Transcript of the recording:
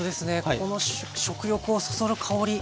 この食欲をそそる香り。